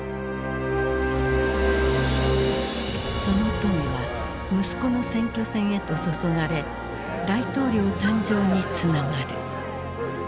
その富は息子の選挙戦へと注がれ大統領誕生につながる。